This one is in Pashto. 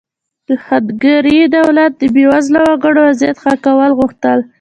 د هنګري دولت د بېوزله وګړو وضعیت ښه کول غوښتل.